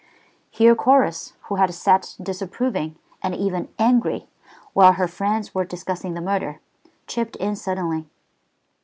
Here Chorus, who had sat disapproving and even angry while her friends were discussing the murder, chipped in suddenly.